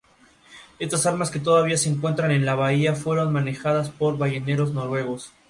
En invierno forman grupos pequeños, pudiendo llegar a constituir dormideros en algunas localidades.